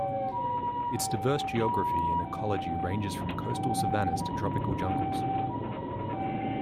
Its diverse geography and ecology ranges from coastal savannahs to tropical jungles.